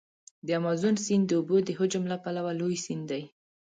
د امازون سیند د اوبو د حجم له پلوه لوی سیند دی.